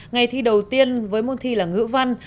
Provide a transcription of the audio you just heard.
ngày thi đầu tiên với môn thi là ngữ văn